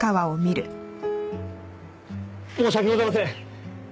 申し訳ございません。